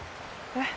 えっ？